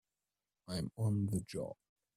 I'm on the job!